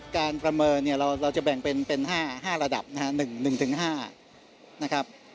การประเมินเราจะแบ่งเป็น๕ระดับ๑๕นะครับ